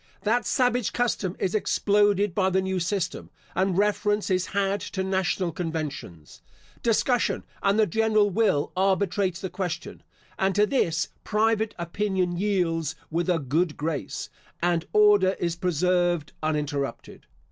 That savage custom is exploded by the new system, and reference is had to national conventions. Discussion and the general will arbitrates the question, and to this, private opinion yields with a good grace, and order is preserved uninterrupted.